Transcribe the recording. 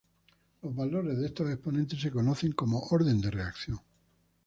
Los valores de estos exponentes se conocen como orden de reacción.